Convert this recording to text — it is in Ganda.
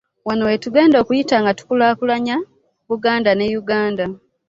Wano wetugenda okuyita nga tukulaakulanya Buganda ne Uganda